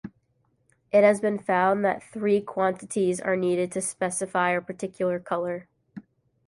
It has been found that three quantities are needed to specify a particular color.